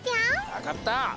わかった！